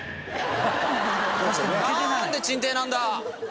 なんで珍定なんだ？